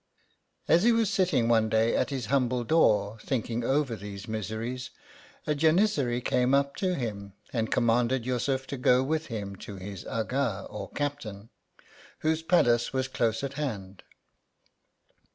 As he was sitting one day at his humble door, thinking over these miseries, a janizary came up to him, and commanded Yussuf to go with him to his Aga or captain, whose palace was close at hand.